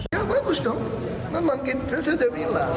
ya bagus dong memang saya udah bilang